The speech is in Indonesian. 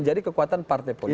kami mengingatkan kepada pak rawi